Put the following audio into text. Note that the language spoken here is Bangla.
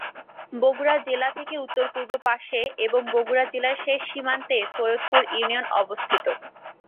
বগুড়া জেলা থেকে উত্তর-পূর্ব পাশে এবং বগুড়া জেলার শেষ সীমান্তে সৈয়দপুর ইউনিয়ন অবস্থিত।